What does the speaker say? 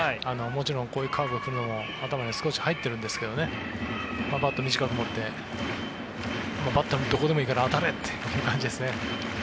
もちろんこういうカーブが来るのも頭に少し入ってるんですがバットを短く持ってバットのどこでもいいから当たれという感じですね。